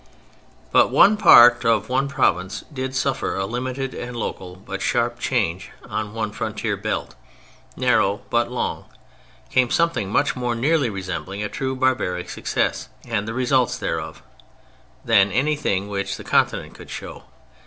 But one part of one province did suffer a limited and local—but sharp—change: on one frontier belt, narrow but long, came something much more nearly resembling a true barbaric success, and the results thereof, than anything which the Continent could show.